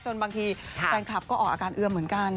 บางทีแฟนคลับก็ออกอาการเอือมเหมือนกัน